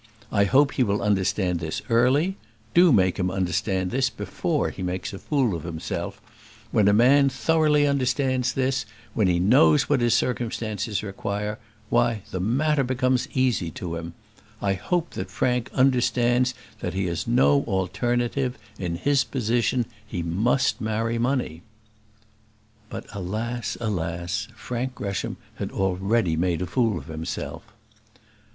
I hope he will understand this early; do make him understand this before he makes a fool of himself; when a man thoroughly understands this, when he knows what his circumstances require, why, the matter becomes easy to him. I hope that Frank understands that he has no alternative. In his position he must marry money." But, alas! alas! Frank Gresham had already made a fool of himself.